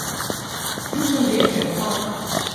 кӱшӹл векӹ, пак.